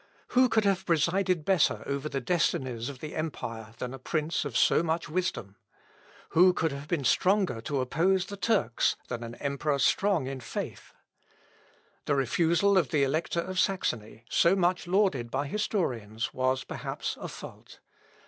Who could have presided better over the destinies of the empire than a prince of so much wisdom? Who could have been stronger to oppose the Turks than an emperor strong in faith? The refusal of the Elector of Saxony, so much lauded by historians, was perhaps a fault.